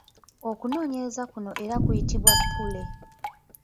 Okunoonyereza kuno era kuyitibwa pule,